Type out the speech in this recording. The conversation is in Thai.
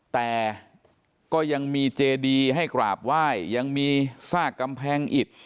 แต่ก็ยังมีเจดีให้กราบไหว้ยังมีซากกำแพงอิด